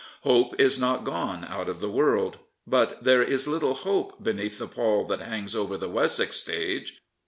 Hope is not gone out of the world. But there is little hope beneath the pall that hangs over the Wessex stage.